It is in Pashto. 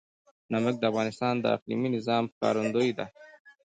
نمک د افغانستان د اقلیمي نظام ښکارندوی ده.